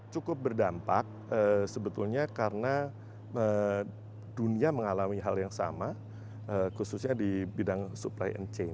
cukup berdampak sebetulnya karena dunia mengalami hal yang sama khususnya di bidang supply and change